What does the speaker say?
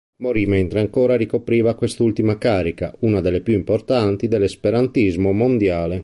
Morì mentre ancora ricopriva quest'ultima carica, una delle più importanti dell'esperantismo mondiale.